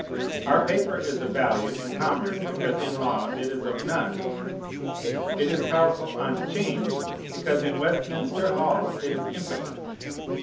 Our paper is of value in commerce, because in law it is of none. It is powerful on 'Change, because in Westminster Hall it is impotent.